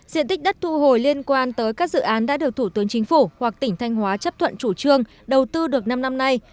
diện tích đất thu hồi liên quan tới các dự án đã được thủ tướng chính phủ hoặc tỉnh thanh hóa chấp thuận chủ trương đầu tư được năm năm nay